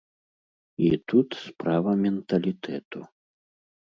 І тут справа менталітэту.